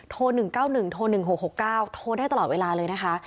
๑๙๑โทร๑๖๖๙โทรได้ตลอดเวลาเลยนะคะ